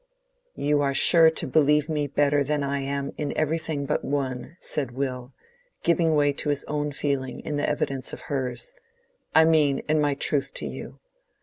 "You are sure to believe me better than I am in everything but one," said Will, giving way to his own feeling in the evidence of hers. "I mean, in my truth to you.